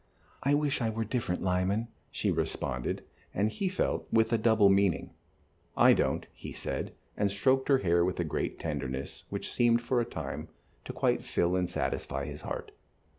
"I wish I were different, Lyman," she responded, and, he felt, with a double meaning. "I don't," he said, and stroked her hair with a great tenderness, which seemed for the time to quite fill and satisfy his heart.